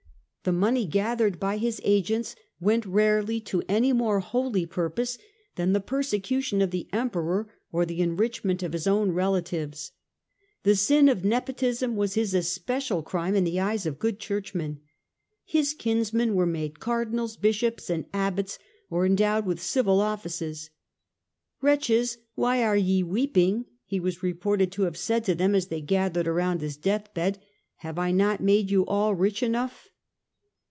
The money gathered by his agents went rarely to any more holy purpose than the persecution of the Emperor or the enrichment of his own relatives. The sin of Nepotism was his especial crime in the eyes of good churchmen. His kinsmen were made Cardinals, Bishops and Abbots, or endowed with civil offices. " Wretches, why are ye weeping ?" he was reported to have said to them as they gathered around his deathbed ;" have I not made you all rich enough